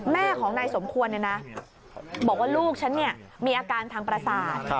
แม่ของนายสมควรบอกว่าลูกฉันมีอาการทางประสาท